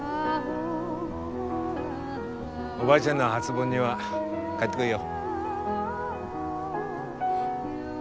おばあちゃんの初盆には帰ってこいよ。